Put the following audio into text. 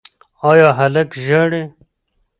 ایا هلک ژاړي؟